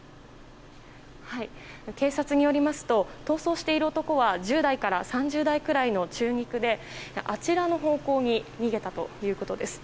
警察によりますと逃走している男は１０代から３０代くらいの中肉であちらの方向に逃げたということです。